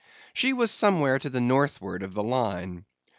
She was somewhere to the northward of the Line.